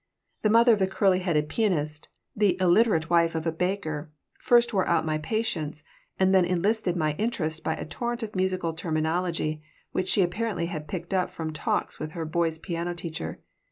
The mother of the curly headed pianist, the illiterate wife of a baker, first wore out my patience and then enlisted my interest by a torrent of musical terminology which she apparently had picked up from talks with her boy's piano teacher.